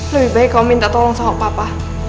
lebih baik kamu minta tolong soal papa